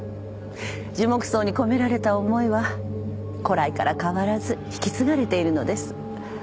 樹木葬に込められた思いは古来から変わらず引き継がれているのです。